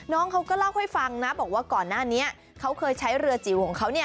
น้องเขาก็เล่าให้ฟังนะบอกว่าก่อนหน้านี้เขาเคยใช้เรือจิ๋วของเขาเนี่ย